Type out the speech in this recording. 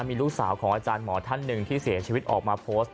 มีลูกสาวของอาจารย์หมอท่านหนึ่งที่เสียชีวิตออกมาโพสต์